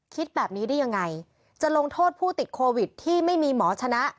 คิดแบบนี้ได้ยังไงจะลงโทษผู้ติดโควิดที่ไม่มีหมอชนะ